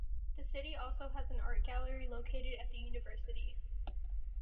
The city also has an art gallery located at the University.